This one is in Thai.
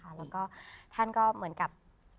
แล้วก็ท่านก็เหมือนกับ